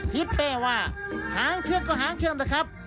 เป้ว่าหางเครื่องก็หางเครื่องนะครับ